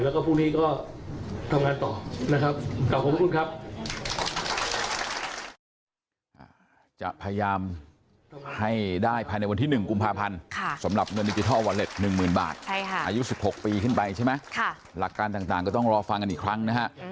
แล้วก็พรุ่งนี้ก็ทำงานต่อนะครับกลับขอบคุณครับ